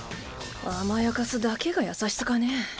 甘やかすだけが優しさかねぇ。